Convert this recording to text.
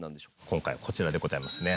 今回はこちらでございますね。